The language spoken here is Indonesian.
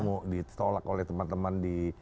mau ditolak oleh teman teman di